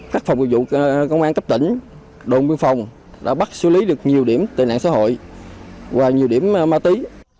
công an cấp tỉnh đồn biên phòng đã bắt xử lý được nhiều điểm tệ nạn xã hội và nhiều điểm ma túy